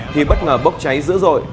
thì bất ngờ bốc cháy dữ dội